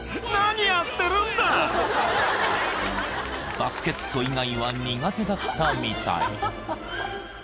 ［バスケット以外は苦手だったみたい］